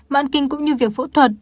mạng kinh cũng như việc phẫu thuật